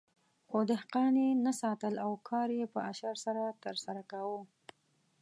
خو دهقانان یې نه ساتل او کار یې په اشر سره ترسره کاوه.